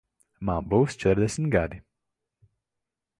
Man būs četrdesmit gadi.